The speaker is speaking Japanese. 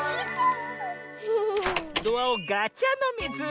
ドアをガチャのミズ！